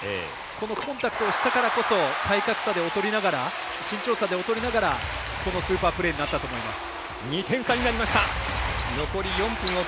このコンタクトを下からこそ体格差、身長差で劣りながらもこのスーパープレーになったと思います。